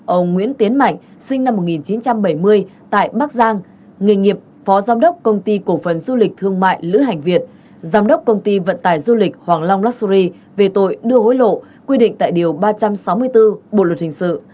ông nguyễn tiến mạnh sinh năm một nghìn chín trăm bảy mươi tại bắc giang nghề nghiệp phó giám đốc công ty cổ phần du lịch thương mại lữ hành việt giám đốc công ty vận tải du lịch hoàng long lulasuri về tội đưa hối lộ quy định tại điều ba trăm sáu mươi bốn bộ luật hình sự